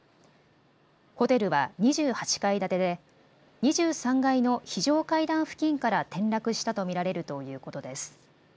ホテルは２８階建てで２３階の非常階段付近から転落したと見られるということです。